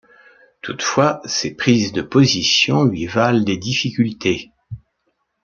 Toutefois ses prises de position lui valent des difficultés.